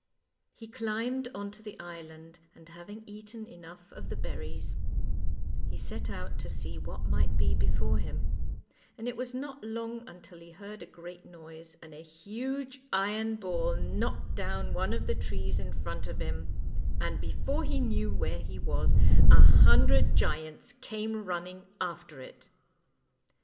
He climbed on to the island, and having eaten enough of the berries, he set out to see w r hat might be before him, and it was not long until he heard a great noise, and a huge iron ball knocked down one of the trees in front of him, and before he knew where he was a hundred giants came running after it.